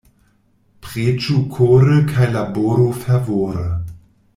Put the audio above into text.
Preĝu kore kaj laboru fervore.